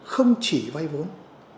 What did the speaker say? không chỉ vai vốn